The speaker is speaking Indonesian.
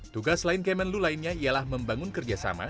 tugas lain kemenlu lainnya ialah membangun kerjasama